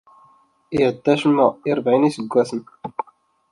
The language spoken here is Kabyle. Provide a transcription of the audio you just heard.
Iεedda acemma i rebεin iseggasen.